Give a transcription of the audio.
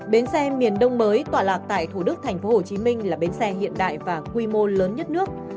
bến xe miền đông mới tọa lạc tại thủ đức tp hcm là bến xe hiện đại và quy mô lớn nhất nước